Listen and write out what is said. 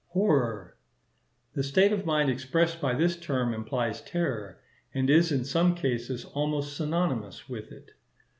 Horror.—The state of mind expressed by this term implies terror, and is in some, cases almost synonymous with it.